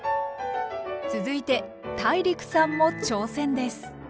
続いてＴＡＩＲＩＫさんも挑戦です。